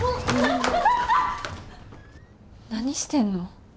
何してんの？